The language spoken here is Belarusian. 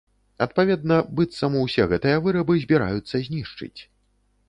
Адпаведна, быццам, усе гэтыя вырабы збіраюцца знішчыць.